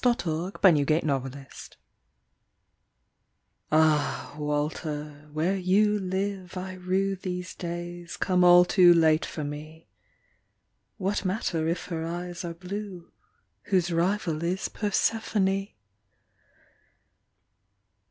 PART TWO TO WALTER SAVAGE LANDOR Ah, Walter, where you live I rue These days come all too late for me; What matter if her eyes are blue Whose rival is Persephone?